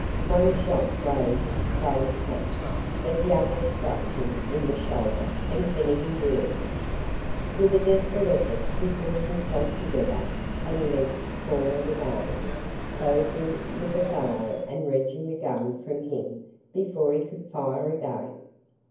One shot grazed Craig's hat, but the other struck him in the shoulder and Kennedy reeled. With a desperate effort he pulled himself together and leaped forward again, closing with the fellow and wrenching the gun from him before he could fire again.